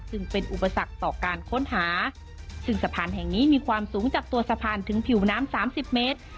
ซึ่งเป็นอุปสรรคต่อการค้นหาซึ่งสะพานแห่งนี้มีความสูงจากตัวสะพานถึงผิวน้ำสามสิบเมตร